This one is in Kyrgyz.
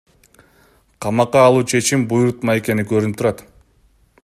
Камакка алуу чечими буйрутма экендиги көрүнүп турат.